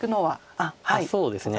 そうですね。